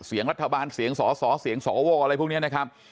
เสียงรัฐบาลเสียงสอสอเสียงสวอะไรพวกนี้นะครับ